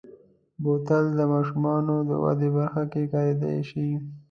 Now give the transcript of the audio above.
بوتل د ماشومو د ودې برخه کې کارېدلی شي.